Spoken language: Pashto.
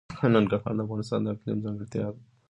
ننګرهار د افغانستان د اقلیم ځانګړتیا ده.